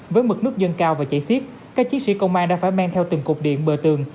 với mực nước dân cao và chảy siết các chiến sĩ công an đã phải mang theo từng cục điện bờ tường